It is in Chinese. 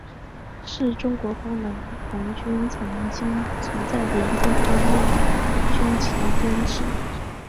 是中国工农红军曾经存在的一个方面军级编制。